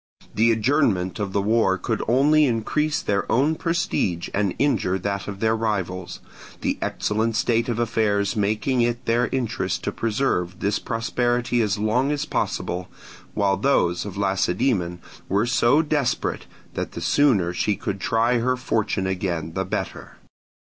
The adjournment of the war could only increase their own prestige and injure that of their rivals; the excellent state of their affairs making it their interest to preserve this prosperity as long as possible, while those of Lacedaemon were so desperate that the sooner she could try her fortune again the better.